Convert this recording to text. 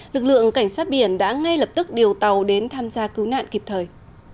lực lượng cảnh sát biển đã ngay lập tức điều tàu đến tham gia cứu nạn kịp thời